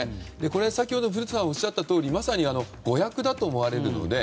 これはまさに古田さんがおっしゃったようにまさに誤訳だと思われるので。